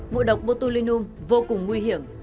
mụ độc botulinum vô cùng nguy hiểm